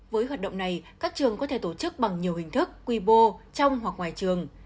với hoạt động này các trường có thể tổ chức bằng nhiều hình thức quy mô trong hoặc ngoài trường